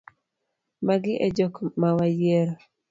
Magi e jok mawayiero.